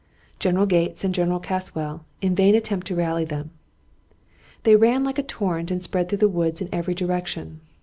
General Gates and General Casswell in vain attempted to rally them. They ran like a torrent and spread through the woods in every direction.